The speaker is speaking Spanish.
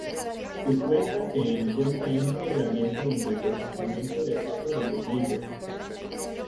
Su cuenca se encuentra íntegramente en el departamento de Paso de los Libres.